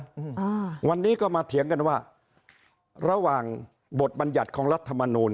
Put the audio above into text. อืมอ่าวันนี้ก็มาเถียงกันว่าระหว่างบทบัญญัติของรัฐมนูล